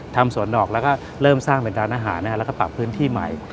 ทำสวนดอกแล้วก็เริ่มสร้างเป็นร้านอาหารแล้วก็ปรับพื้นที่ใหม่